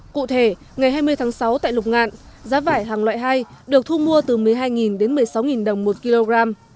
cụ thể ngày hai mươi tháng sáu tại lục ngạn giá vải hàng loại hai được thu mua từ một mươi hai tỷ đồng